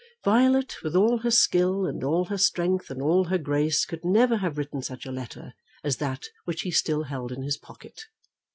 Violet, with all her skill, and all her strength, and all her grace, could never have written such a letter as that which he still held in his pocket.